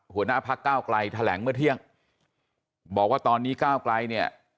หัวหน้าพักก้าวไกลแถลงเมื่อเที่ยงบอกว่าตอนนี้ก้าวไกลเนี่ย